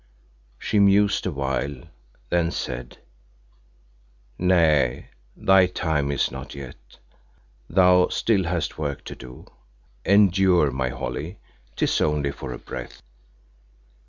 She mused a while, then said "Nay, thy time is not yet, thou still hast work to do. Endure, my Holly, 'tis only for a breath."